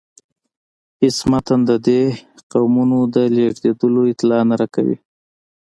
هیڅ متن د دې قومونو د لیږدیدلو اطلاع نه راکوي.